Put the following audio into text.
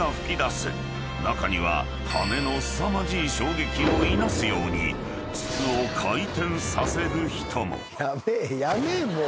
［中にはハネのすさまじい衝撃をいなすように筒を回転させる人も］